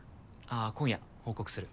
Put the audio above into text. あ今夜報告する。